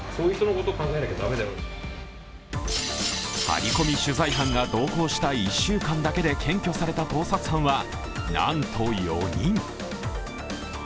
ハリコミ取材班が同行した１週間だけで検挙された盗撮犯はなんと４人。